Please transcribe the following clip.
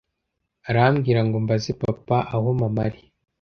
arambwira ngo mbaze papa aho mama ari